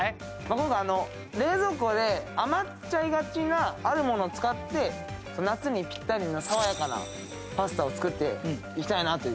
僕は冷蔵庫で余っちゃいがちなあるものを使って夏にピッタリな爽やかなパスタを作っていきたいなという。